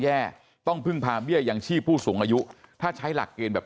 แย่ต้องพึ่งพาเบี้ยยังชีพผู้สูงอายุถ้าใช้หลักเกณฑ์แบบ